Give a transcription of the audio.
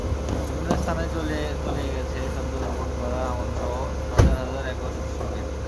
বিভিন্ন স্থানে তলিয়ে গেছে সদ্য রোপণ করা আমনসহ হাজার হাজার একর শস্যখেত।